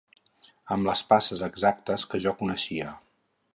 Amb les passes exactes que jo coneixia.